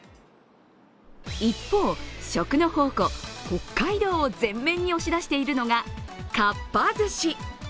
一方、食の宝庫、北海道を前面に押し出しているのがかっぱ寿司。